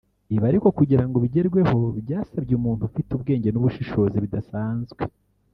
Ibi ariko kugirango bigerweho byasabye umuntu ufite ubwenge n’ubushishozi bidasanzwe